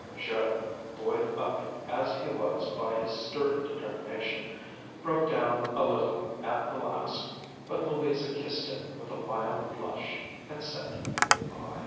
Joe, buoyed up as he was by his sturdy determination, broke down a little at the last, but Louisa kissed him with a mild blush, and said good by.